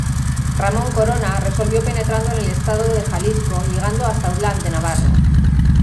Ramón Corona resolvió penetrando en el estado de Jalisco llegando hasta Autlán de Navarro.